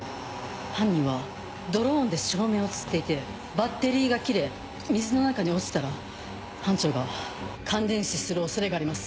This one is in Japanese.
犯人はドローンで照明を吊っていてバッテリーが切れ水の中に落ちたら班長が感電死する恐れがあります。